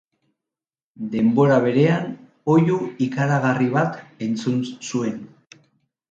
Denbora berean oihu ikaragarri bat entzun zuen.